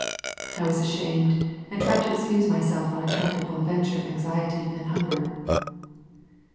I was ashamed and tried to excuse my self on account of Bonaventure anxiety and hunger.